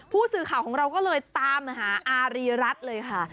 ผู้สื่อข่าวของเราก็เลยตามหาอารีรัฐเลยค่ะ